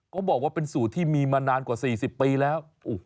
เขาบอกว่าเป็นสูตรที่มีมานานกว่า๔๐ปีแล้ว